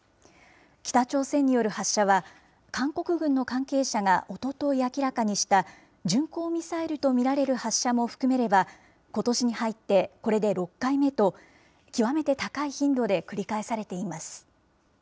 北朝鮮による発射は、韓国軍の関係者がおととい明らかにした、巡航ミサイルと見られる発射も含めれば、ことしに入ってこれで６回目と、極めて高い頻度で繰り返されています。